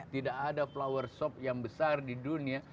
tidak ada flower shop yang besar di dunia